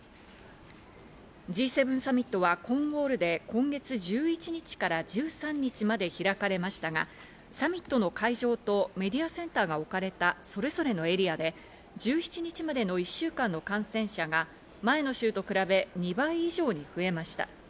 Ｇ７サミットはコーンウォールで今月１１日から１３日まで開かれましたが、サミットの会場とメディアセンターが置かれたそれぞれのエリアで１７日までの１週間の感染者が前の週と比べ２倍以上に増えました。